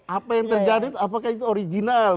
apa yang terjadi apakah itu original